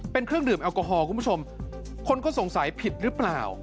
เป็นเครื่องดื่มแอลกอฮอล์คุณผู้ชมคนก็สงสัยผิดหรือเปล่า